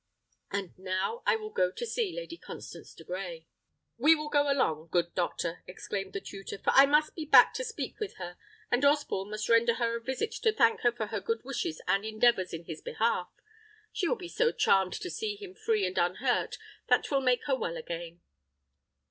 And now I will go to see Lady Constance de Grey." "We will go along, good doctor!" exclaimed the tutor; "for I must be back to speak with her, and Osborne must render her a visit to thank her for her good wishes and endeavours in his behalf. She will be so charmed to see him free and unhurt that 'twill make her well again."